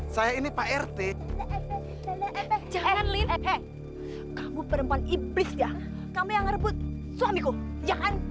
sampai jumpa di video selanjutnya